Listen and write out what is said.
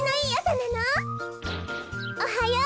おはよう！